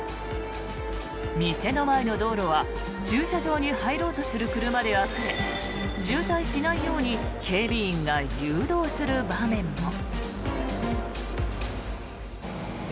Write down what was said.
店の前の道路は駐車場に入ろうとする車であふれ渋滞しないように警備員が誘導する場面も。